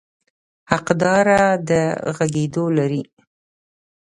حقداره د غږېدو لري.